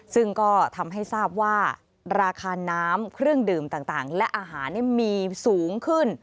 ซึ่งก็ทำให้ทราบว่าราคาน้ำเครื่องดื่มต่างและอาหารมีสูงขึ้น